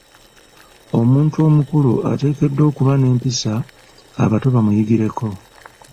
Omuntu omukulu ateekeddwa okuba n'empisa abato bamuyigireko